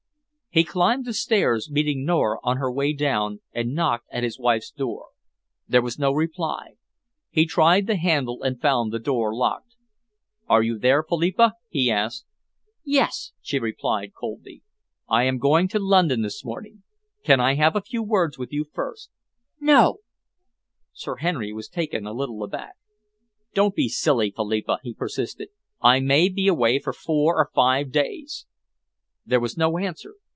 He climbed the stairs, meeting Nora on her way down, and knocked at his wife's door. There was no reply. He tried the handle and found the door locked. "Are you there, Philippa?" he asked. "Yes!" she replied coldly. "I am going to London this morning. Can I have a few words with you first?" "No!" Sir Henry was a little taken aback. "Don't be silly, Philippa," he persisted. "I may be away for four or five days." There was no answer.